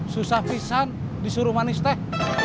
susah pisang disuruh manis teh